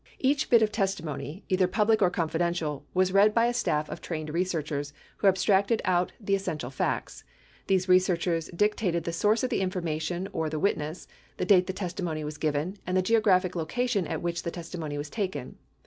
Each bit of testimony, either public or confidential, was read by a staff of trained researchers who abstracted out the essential facts. These researchers dictated the source of the information or the witness, the date the testimony was given, and the geographic location at which the testi mony was taken.